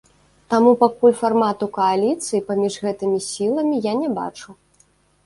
Таму пакуль фармату кааліцыі паміж гэтымі сіламі я не бачу.